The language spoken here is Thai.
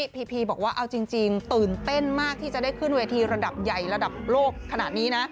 พีพีบอกว่าเอาจริงตื่นเต้นมากที่จะได้ขึ้นเวทีระดับใหญ่ระดับโลกขนาดนี้นะ